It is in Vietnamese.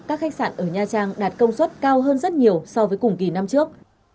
các khách sạn ở nha trang đạt công suất cao hơn rất nhiều so với cùng kỳ năm trước